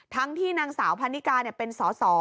ทั้งที่นางสาวพันนิกาเนี่ยเป็นสอ